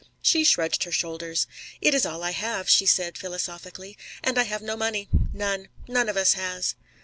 She shrugged her shoulders. "It is all I have," she said philosophically. "And I have no money none. None of us has."